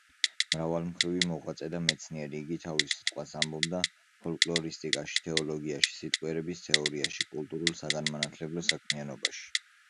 მრავალმხრივი მოღვაწე და მეცნიერი, იგი თავის სიტყვას ამბობდა ფოლკლორისტიკაში, თეოლოგიაში, სიტყვიერების თეორიაში; კულტურულ-საგანმანათლებლო საქმიანობაში.